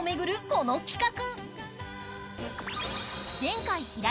この企画。